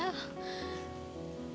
kita tuh bakal kehilangan tempat tinggal